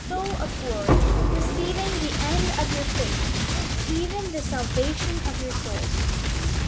313 full of glory ; receiving the end of your faith, even the salvation of your souls.